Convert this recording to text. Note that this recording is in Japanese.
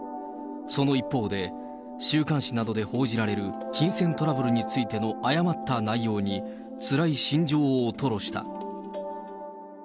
その一方で、週刊誌などで報じられる金銭トラブルについての誤った内容に、つらい心情を吐露した。